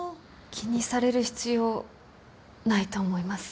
気にされる必要ないと思います。